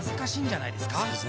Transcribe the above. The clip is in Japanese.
そうですね